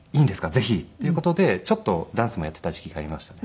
ぜひっていう事でちょっとダンスもやっていた時期がありましたね